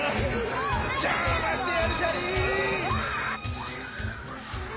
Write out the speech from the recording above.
じゃましてやるシャリ！